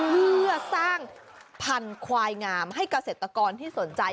เพื่อสร้างพันธุ์ควายงามให้เกษตรกรที่สนใจ